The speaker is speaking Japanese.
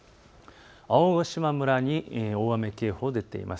青ヶ島村に大雨警報が出ています。